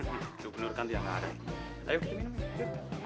itu bener kan tiang taring ayo kita minum ya